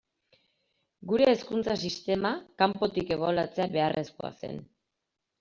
Gure hezkuntza sistema kanpotik ebaluatzea beharrezkoa zen.